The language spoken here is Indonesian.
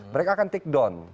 mereka akan take down